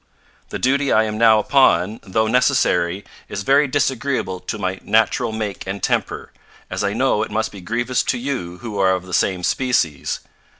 The duty I am now upon, though necessary, is very disagreeable to my natural make and temper, as I know it must be grievous to you who are of the same species.